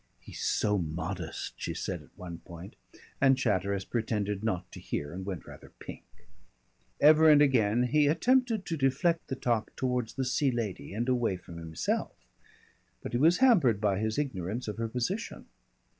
"He's so modest," she said at one point, and Chatteris pretended not to hear and went rather pink. Ever and again he attempted to deflect the talk towards the Sea Lady and away from himself, but he was hampered by his ignorance of her position.